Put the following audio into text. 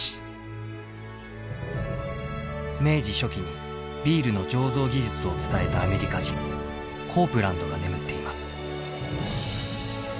明治初期にビールの醸造技術を伝えたアメリカ人コープランドが眠っています。